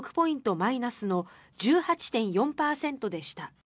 マイナスの１８．４％でした。